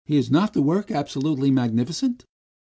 "Is not the work absolutely magnificent?"